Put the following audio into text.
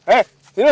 eh sini dulu